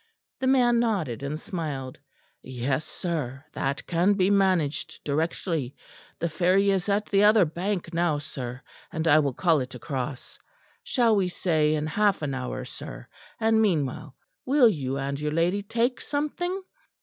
The man nodded and smiled. "Yes, sir, that can be managed directly. The ferry is at the other bank now, sir; and I will call it across. Shall we say in half an hour, sir; and, meanwhile, will you and your lady take something?"